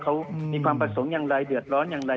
เขามีความประสงค์อย่างไรเดือดร้อนอย่างไร